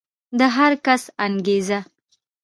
د هر کس انګېزه